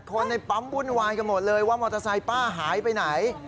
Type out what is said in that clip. คนในปั๊มวุ่นวายกันหมดเลยว่ามอเตอร์ไซค์ป้าหายไปไหน